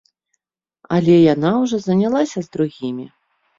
Але яна ўжо занялася з другімі.